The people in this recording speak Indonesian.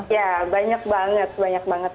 ya banyak banget